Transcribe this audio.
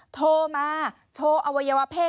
โทรมาโชว์อวัยวะเพศ